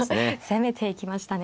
攻めていきましたね。